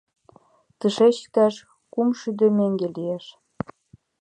— Тышеч иктаж кумшӱдӧ меҥге лиеш...